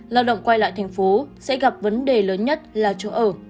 lao động quay lại thành phố sẽ gặp vấn đề lớn nhất là chỗ ở